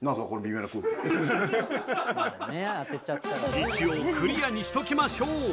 一応、クリアにしときましょう。